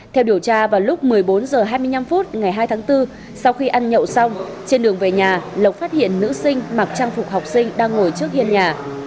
theo điều tra vào lúc một mươi bốn h hai mươi năm phút ngày hai tháng bốn sau khi ăn nhậu xong trên đường về nhà lộc phát hiện nữ sinh mặc trang phục học sinh đang ngồi trước hiên nhà